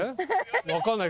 分かんないけど。